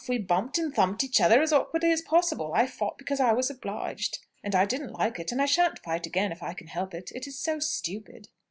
We bumped and thumped each other as awkwardly as possible. I fought because I was obliged. And I didn't like it, and I shan't fight again if I can help it. It is so stupid!"